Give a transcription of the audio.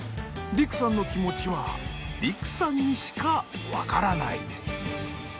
璃育さんの気持ちは璃育さんにしかわからない。